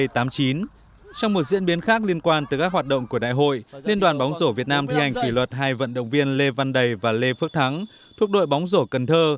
trong một diễn biến khác liên quan tới các hoạt động của đại hội liên đoàn bóng rổ việt nam thi hành kỷ luật hai vận động viên lê văn đầy và lê phước thắng thuộc đội bóng rổ cần thơ